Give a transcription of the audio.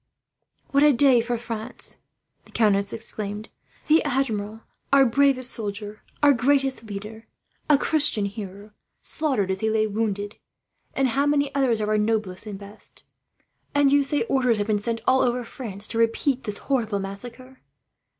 "What a day for France!" the countess exclaimed. "The Admiral, our bravest soldier, our greatest leader, a Christian hero, slaughtered as he lay wounded! And how many others of our noblest and best! And you say orders have been sent, over all France, to repeat this horrible massacre?